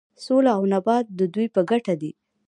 سوله او ثبات د دوی په ګټه دی.